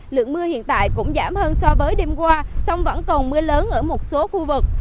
lượng mưa hiện tại cũng giảm hơn so với đêm qua sông vẫn còn mưa lớn ở một số khu vực